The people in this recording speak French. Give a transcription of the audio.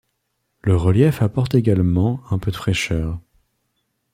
Le relief apporte également un peu de fraîcheur.